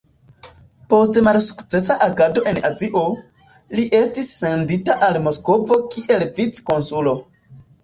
Post malsukcesa agado en Azio, li estis sendita al Moskvo kiel vic-konsulo.